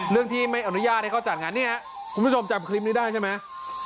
เรื่องที่ไม่อนุญาตให้เขาจัดงานเนี่ยคุณผู้ชมจำคลิปนี้ได้ใช่ไหม